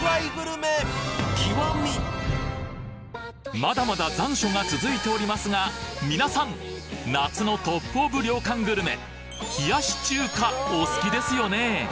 まだまだ残暑が続いておりますがみなさん夏のトップオブ涼感グルメ冷し中華お好きですよね？